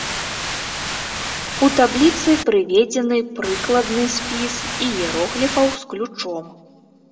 У табліцы прыведзены прыкладны спіс іерогліфаў з ключом.